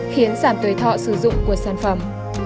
khiến giảm tuổi thọ sử dụng của sản phẩm